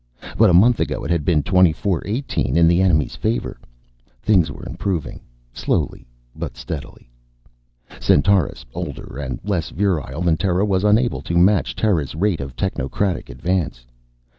But a month ago it had been 24 18 in the enemy's favor. Things were improving, slowly but steadily. Centaurus, older and less virile than Terra, was unable to match Terra's rate of technocratic advance.